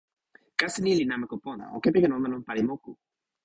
kasi ni li namako pona. o kepeken ona lon pali moku.